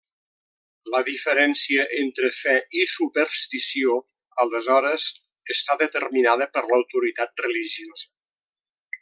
La diferència entre fe i superstició aleshores està determinada per l'autoritat religiosa.